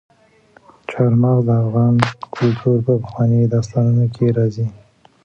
چار مغز د افغان کلتور په پخوانیو داستانونو کې راځي.